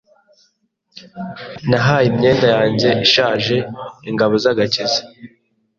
Nahaye imyenda yanjye ishaje ingabo z'agakiza.